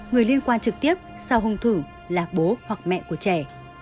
người liên quan trực tiếp sau hung thủ là bố hoặc mẹ của trẻ